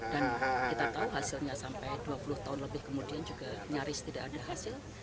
dan kita tahu hasilnya sampai dua puluh tahun lebih kemudian juga nyaris tidak ada hasil